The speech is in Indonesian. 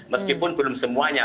meskipun belum semuanya